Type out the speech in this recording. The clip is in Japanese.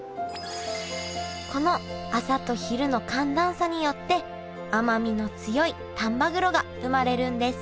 この朝と昼の寒暖差によって甘みの強い丹波黒が生まれるんです